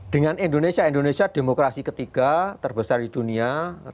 dengan indonesia indonesia demokrasi ketiga terbesar di dunia